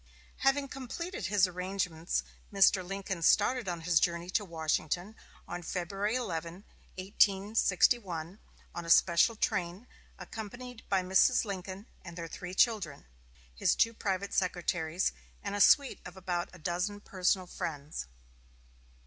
Having completed his arrangements, Mr. Lincoln started on his journey to Washington on February 11, 1861, on a special train, accompanied by Mrs. Lincoln and their three children, his two private secretaries, and a suite of about a dozen personal friends.